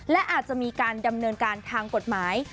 และอาจจะมีการดำเนินการทางกฎหมาย